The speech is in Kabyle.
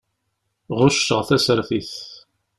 Ɣucceɣ tasertit.